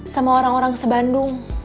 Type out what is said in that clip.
sama orang orang sebandung